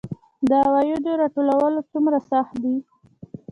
د عوایدو راټولول څومره سخت دي؟